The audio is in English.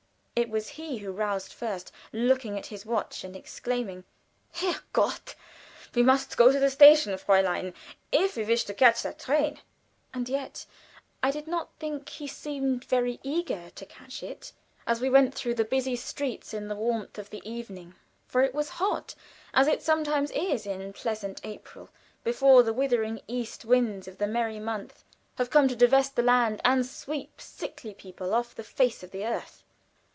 It was he who roused first, looking at his watch and exclaiming. "Herrgott! We must go to the station, Fräulein, if we wish to catch the train." And yet I did not think he seemed very eager to catch it, as we went through the busy streets in the warmth of the evening, for it was hot, as it sometimes is in pleasant April, before the withering east winds of the "merry month" have come to devastate the land and sweep sickly people off the face of the earth.